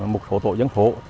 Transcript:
một số tổ dân phổ